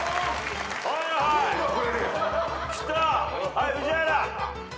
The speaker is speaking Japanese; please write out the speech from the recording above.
はい宇治原。